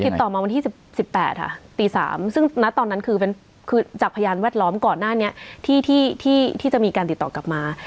ติดต่อมาวันที่๑๘ค่ะตี๓ซึ่งณตอนนั้นคือจากพยานแวดล้อมก่อนหน้านี้ที่จะมีการติดต่อกลับมา